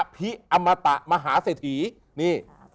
อภิอมตะมหาเสถี